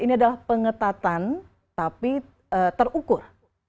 ini adalah pengetatan tapi terukur